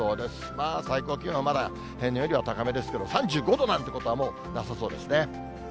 まあ最高気温はまだ平年よりは高めですけど、３５度なんてことは、もうなさそうですね。